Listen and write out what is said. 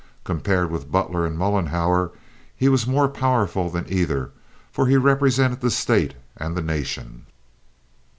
Compared with Butler and Mollenhauer he was more powerful than either, for he represented the State and the nation.